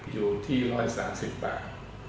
อยู่ที่๑๓๐บาท